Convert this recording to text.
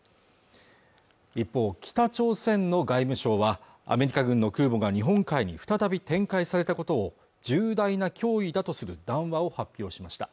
一方北朝鮮の外務省はアメリカ軍の空母が日本海に再び展開されたことを重大な脅威だとする談話を発表しました